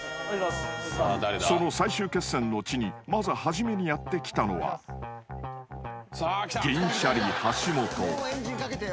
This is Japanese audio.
［その最終決戦の地にまず初めにやって来たのは銀シャリ橋本］